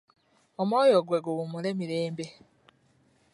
Omwoyo gwe guwummule mirembe.